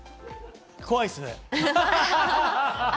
怖いですね。